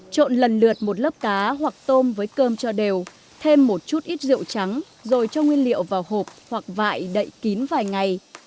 trộn lần lượt một lớp cá hoặc tôm với cơm cho đều thêm một chút ít rượu trắng rồi cho nguyên liệu vào hộp hoặc vại đậy kín vài ngày